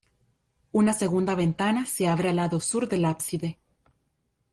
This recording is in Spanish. Una segunda ventana se abre al lado sur del ábside.